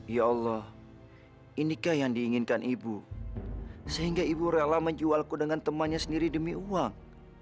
ya allah ini kan yang diinginkan ibu sehingga ibu rela menjual aku dengan temannya sendiri demi uang